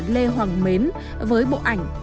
lê hoàng mến với bộ ảnh